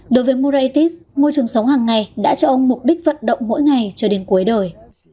đối với moraitis môi trường sống hàng ngày đã cho ông mục đích vận động mỗi ngày cho đến cuối đời